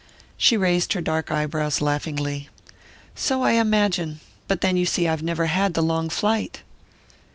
She raised her dark brows laughingly. "So I imagine but then you see I've never had the long flight!"